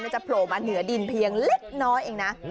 จะโผล่มาเหนือดินเพียงเล็กน้อยเองนะ